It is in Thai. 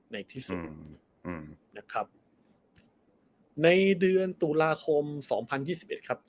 ในที่สุดอืมนะครับในเดือนตุลาคมสองพันยี่สิบเอ็ดครับ